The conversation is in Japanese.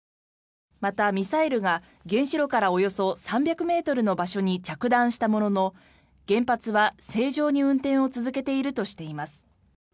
また、ミサイルが原子炉からおよそ３００ｍの場所に着弾したものの原発は正常に運転を続けているとしています。